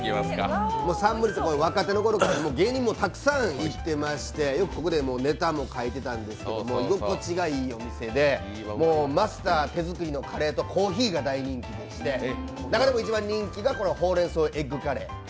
サンモリッツ、若手のころから芸人もたくさん行ってましてよくここでネタも書いてたんですけど居心地がいいお店でマスター手作りのカレーとコーヒーが大人気でして中でも一番人気がほうれん草エッグカレー。